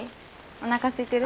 おなかすいてる？